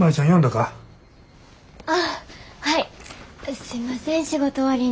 すいません仕事終わりに。